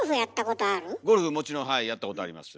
もちろんやったことあります。